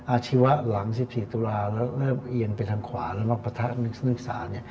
อาชีวะหลังสิบสี่ตุลานั้นแล้วเริ่มเอียนไปทางขวาแล้วนักปะทะนึกศึกษาเนี่ย